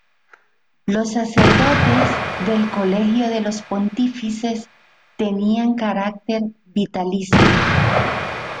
Los sacerdotes del colegio de los pontífices tenían carácter vitalicio.